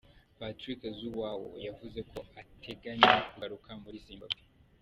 Patrick zhuwao yavuze ko adateganya kugaruka muri Zimbabwe.